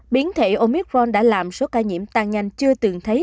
biến thể omicron đã làm số ca nhiễm tăng nhanh chưa từng thấy